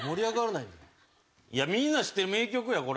いやみんな知ってる名曲やこれ。